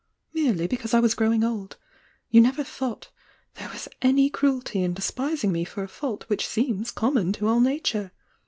Merely because I was growing old. You ne' er thought there was any cruelty in despising mo tor a fault which seems com mon to all nature.